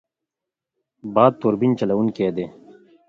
باد توربین چلوونکی دی.